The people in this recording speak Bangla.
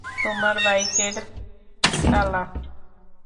তোমার বাইকের তালা?